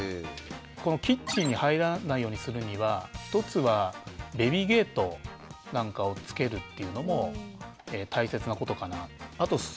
キッチンに入らないようにするには１つはベビーゲートなんかをつけるっていうのも大切なことかなと。